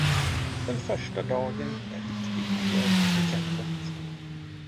Den första dagen med riktig mjölk i kaffet.